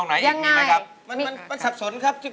มาฟังอินโทรเพลงที่๑๐